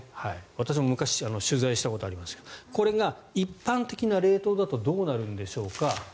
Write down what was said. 私も昔取材したことがありますがこれが一般的な冷凍だとどうなるんでしょうか。